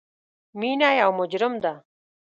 مینه یو مجرم ده